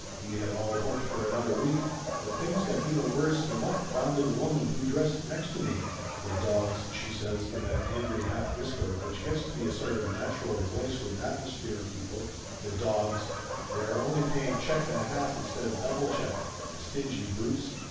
We had all hoped for another week. But things got even worse when up bounded the woman who dressed next to me. "The dogs!" she says in that angry half whisper which gets to be a sort of natural voice with atmosphere 144 Laughter Limited people. "The dogs ! They are only paying check and a half instead of double check! The stingy brutes!"